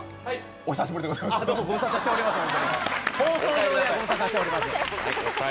お久しぶりでございます放送上では。